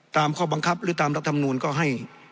ตามข้อบังคับหรือตามรักษ์ธรรมนูญก็ให้